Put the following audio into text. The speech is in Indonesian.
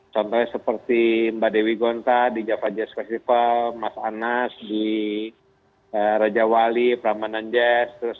contohnya seperti mbak dewi gonta di java jazz festival mas anas di raja wali prambanan jazz